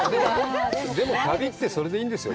でも旅ってそれでいいんですよ。